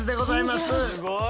すごい！